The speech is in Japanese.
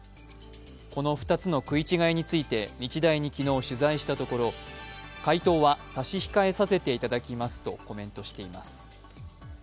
この２つの食い違いについて日大に昨日取材したところ回答は差し控えさせていただきますとコメントしています。